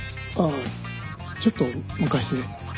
ああちょっと昔ね。